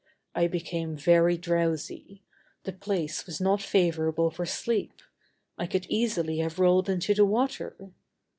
I became very drowsy; the place was not favorable for sleep; I could easily have rolled into the water.